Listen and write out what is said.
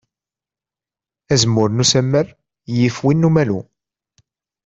Azemmur n usammar yif win n umalu.